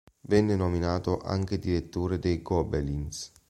Venne nominato anche direttore dei Gobelins.